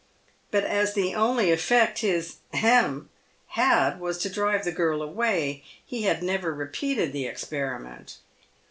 But as the only effect his " hem!" had was to drive the girl away, he had never repeated the experiment.